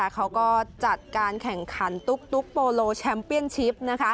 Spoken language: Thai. เขาก็จัดการแข่งขันตุ๊กโปโลแชมเปียนชิป